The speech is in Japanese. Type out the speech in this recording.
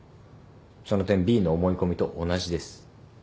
その点Ｂの思い込みと同じです。